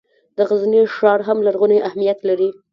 د غزني ښار هم لرغونی اهمیت لري.